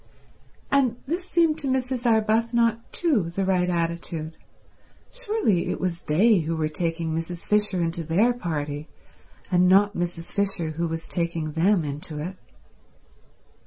And this seemed to Mrs. Arbuthnot too the right attitude. Surely it was they who were taking Mrs. Fisher into their party, and not Mrs. Fisher who was taking them into it?